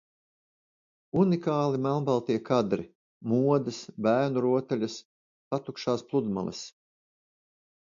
Unikāli melnbaltie kadri. Modes, bērnu rotaļas, patukšās pludmales.